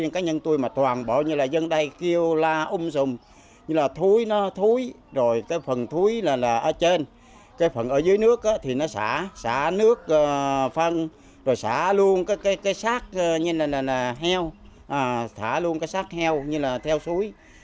chất thải bẩn ở dưới nước thì nó xả xả nước phân rồi xả luôn cái sát như là heo xả luôn cái sát heo như là theo suối